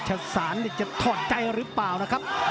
ฉะสารนี่จะถอดใจหรือเปล่านะครับ